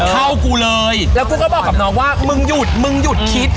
กูเลยแล้วกูก็บอกกับน้องว่ามึงหยุดมึงหยุดคิด